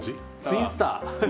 ツインスター！